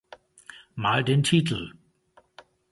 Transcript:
Mal den Titel.